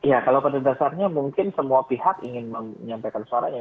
ya kalau pada dasarnya mungkin semua pihak ingin menyampaikan suaranya